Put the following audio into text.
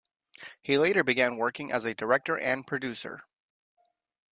He later began working as a director and producer.